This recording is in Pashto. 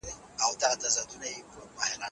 آیا بل څوک شته چې داسې جالب کار وکړي؟